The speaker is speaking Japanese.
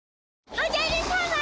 おじゃるさま！